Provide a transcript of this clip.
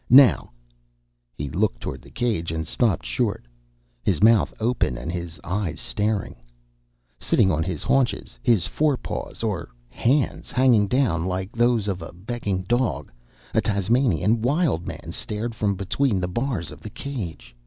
Now " He looked toward the cage and stopped short, his mouth open and his eyes staring. Sitting on his haunches, his fore paws, or hands, hanging down like those of a "begging" dog, a Tasmanian Wild Man stared from between the bars of the cage.